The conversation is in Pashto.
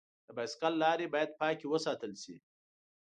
د بایسکل لارې باید پاکې وساتل شي.